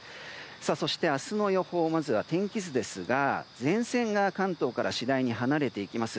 そして、明日の予報をまずは天気図ですが前線が関東から次第に離れていきます。